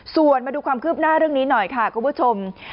ส่วนมาดูความคืบหน้าเรื่องนี้หน่อยค่ะคุณผู้ชม